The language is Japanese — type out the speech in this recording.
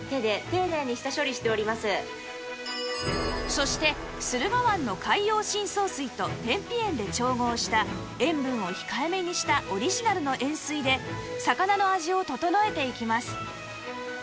そして駿河湾の海洋深層水と天日塩で調合した塩分を控えめにしたオリジナルの塩水で魚の味を調えていきます